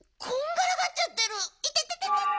いてててて。